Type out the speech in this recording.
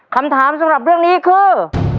คำถามสำหรับเรื่องนี้คือ